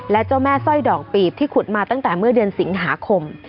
และเจ้าแม่สร้อยดอกปีบที่ขุดมาตั้งแต่เมื่อเดือนสิงหาคม